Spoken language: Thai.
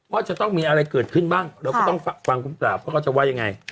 ว่าจะต้องมีอะไรเกิดขึ้นบ้างเราก็ต้องฟังคุณปราบว่าเขาจะว่ายังไง